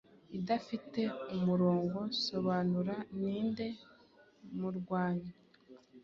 idafite umurongo Sobanura Ninde murwanyi